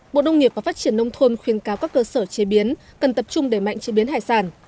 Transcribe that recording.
bộ nông nghiệp và phát triển nông thôn khuyên cáo các cơ sở chế biến cần tập trung đẩy mạnh chế biến hải sản